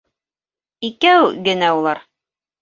Икәү генә улар.